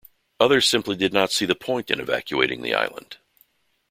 Others simply did not see the point in evacuating the island.